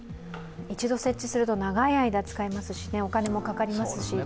一度設置すると長い間、使いますしお金も使いますし。